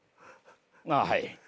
ああはい。